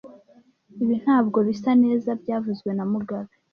Ibi ntabwo bisa neza byavuzwe na mugabe